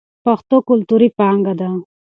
پښتو کلتوري پانګه ده.